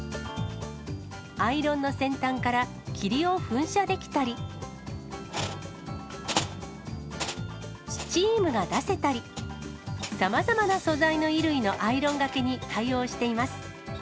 アイロンの先端から霧を噴射できたり、スチームが出せたり、さまざまな素材の衣類のアイロンがけに対応しています。